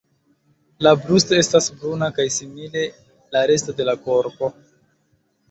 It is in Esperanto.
La brusto estas bruna kaj simile la resto de la korpo.